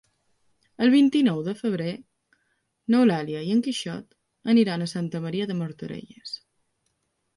El vint-i-nou de febrer n'Eulàlia i en Quixot aniran a Santa Maria de Martorelles.